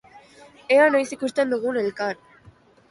Ea noiz ikusten dugun elkar.